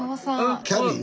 キャビン？